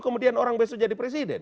kemudian orang besok jadi presiden